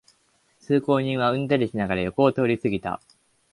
通行人はうんざりしながら横を通りすぎた